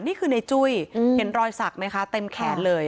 นี่คือในจุ้ยเห็นรอยสักไหมคะเต็มแขนเลย